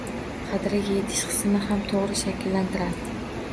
Qadriga yetish hissini ham to‘g‘ri shakllantiradi.